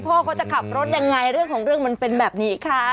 พ่อเขาจะขับรถยังไงเรื่องของเรื่องมันเป็นแบบนี้คะ